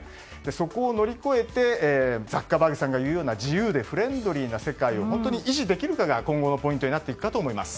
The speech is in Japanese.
そこを乗り越えてザッカーバーグさんが言うような自由でフレンドリーな世界を本当に維持できるかが今後のポイントになっていくかと思います。